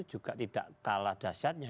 juga tidak kalah dasarnya